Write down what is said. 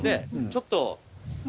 ちょっと。